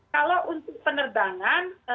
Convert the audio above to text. kalau untuk penerbangan